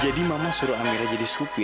jadi mama suruh amirah jadi supir